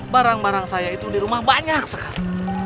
barang barang saya itu di rumah banyak sekali